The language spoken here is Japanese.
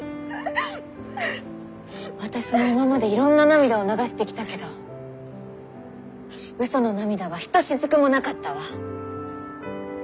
私も今までいろんな涙を流してきたけど嘘の涙はひとしずくもなかったわ。